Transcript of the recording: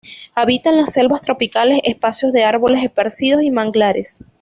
Habita en las selvas tropicales, espacios de árboles esparcidos y manglares.